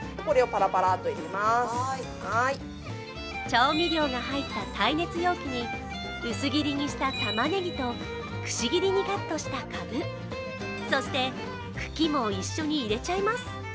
調味料が入った耐熱容器に薄切りにしたたまねぎとくし切りにカットしたかぶ、そして、茎も一緒に入れちゃいます